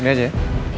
makasih ya pak